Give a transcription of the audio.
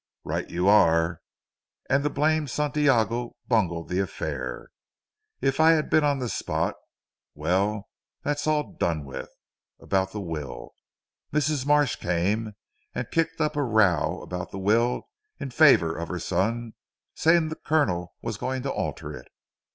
"Right you are; and the blamed Santiago bungled the affair. If I had been on the spot well that's all done with. About the will. Mrs. Marsh came and kicked up a row about the will in favour of her son saying the Colonel was going to alter it.